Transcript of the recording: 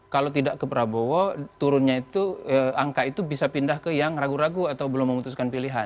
kalau tidak ke prabowo turunnya itu angka itu bisa pindah ke yang ragu ragu atau belum memutuskan pilihan